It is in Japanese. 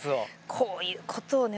こういうことをね